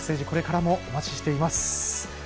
これからもお待ちしています。